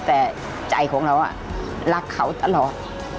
แต่ใจของเรารักเขาตลอด